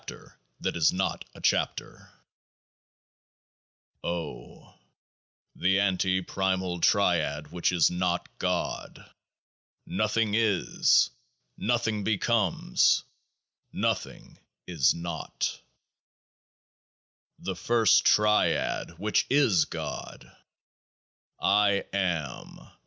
KEOAAH H OYK ELTI KEOAAH O I 1 The Ante Primal Triad which is NOT GOD Nothing is. Nothing Becomes. Nothing is not. The First Triad which is GOD I AM.